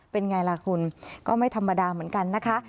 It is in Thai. เป็นไงล่ะคุณก็ไม่ธรรมดาเหมือนกันนะคะ